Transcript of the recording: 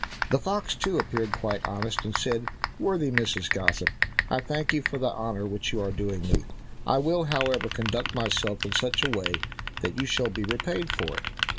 The fox, too, appeared quite honest, and said, "Worthy Mrs. Gossip, I thank you for the honour which you are doing me; I will, however, conduct myself in such a way that you shall be repaid for it."